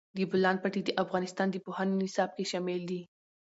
د بولان پټي د افغانستان د پوهنې نصاب کې شامل دي.